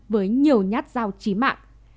với nhiều nhát dao trí mạng